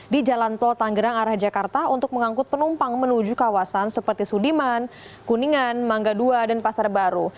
di jalan tol tanggerang arah jakarta untuk mengangkut penumpang menuju kawasan seperti sudiman kuningan mangga ii dan pasar baru